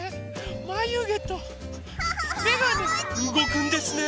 まゆげとめがねうごくんですね。